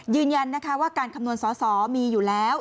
ยืนยันนะคะว่าการคำนวณสอสอมีอยู่แล้ว